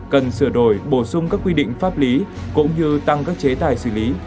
cần sửa đổi bổ sung các quy định pháp lý cũng như tăng các chế tài xử lý